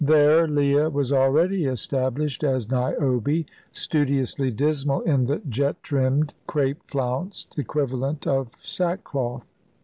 There, Leah was already established as Niobe, studiously dismal in the jet trimmed, crape flounced equivalent of sackcloth.